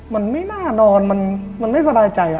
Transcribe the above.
มันไม่น่านอนมันไม่สบายใจ